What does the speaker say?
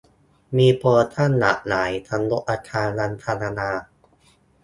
มีโปรโมชั่นหลากหลายทั้งลดราคาวันธรรมดา